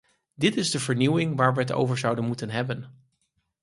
Dat is de vernieuwing waar we het over zouden moeten hebben.